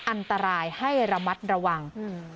อันตรายให้ระมัดระวัง